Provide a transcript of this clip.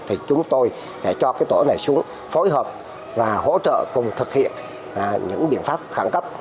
thì chúng tôi sẽ cho cái tổ này xuống phối hợp và hỗ trợ cùng thực hiện những biện pháp khẳng cấp